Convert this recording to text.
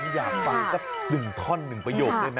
อยากฟังกับหนึ่งท่อนหนึ่งประโยชน์ได้มั้ย